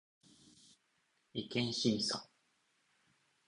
違憲審査